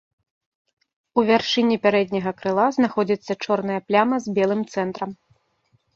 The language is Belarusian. У вяршыні пярэдняга крыла знаходзіцца чорная пляма з белым цэнтрам.